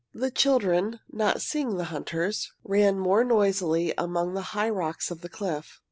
The children, not seeing the hunters, ran more noisily among the high rocks of the cliff.